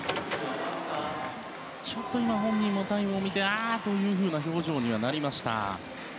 ちょっと本人もタイムを見てあーという表情にはなりました。